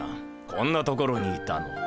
こんな所にいたのか。